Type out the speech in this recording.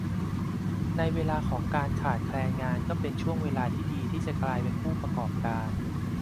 ในเวลาของการขาดแคลนงานก็เป็นช่วงเวลาที่ดีที่จะกลายเป็นผู้ประกอบการ